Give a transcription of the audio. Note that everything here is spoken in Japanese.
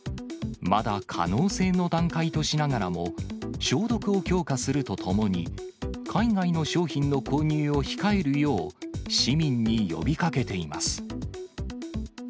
まだ可能性の段階としながらも、消毒を強化するとともに、海外の商品の購入を控えるよう、市民に呼びかけています。